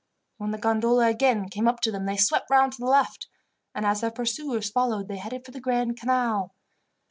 When the gondola again came up to them they swept round to the left, and as their pursuers followed they headed for the Grand Canal.